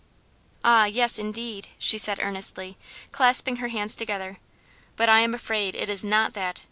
"Ah, yes, indeed!" she said earnestly, clasping her hands together; "but I am afraid it is not that!